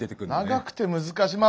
長くて難しいまあ